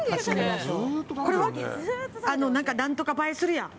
これは？何とか映えするやん。